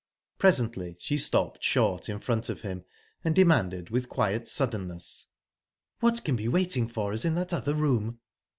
Presently she stopped short in front of him, and demanded with quiet suddenness: "What can be waiting for us in that other room?"